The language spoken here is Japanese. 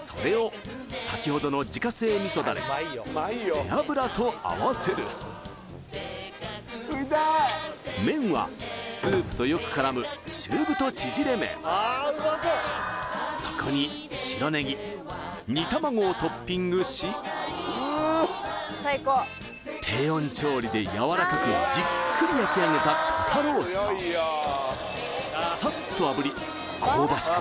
背脂と合わせる麺はスープとよく絡むそこに白ネギ煮卵をトッピングし低温調理でやわらかくじっくり焼きあげた肩ロースとサッと炙り香ばしく